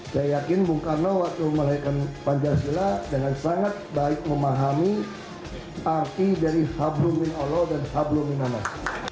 saya yakin bung karno waktu melahirkan pancasila dengan sangat baik memahami arti dari hablumin allah dan hablu minanas